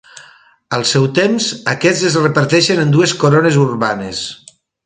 Al seu temps, aquests es reparteixen en dues corones urbanes.